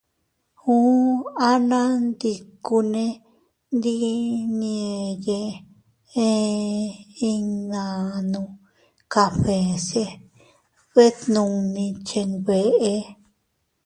Ùu anandikuune ndi nyeyee eʼe iynannu cafèse se bte nunni chenbeʼe.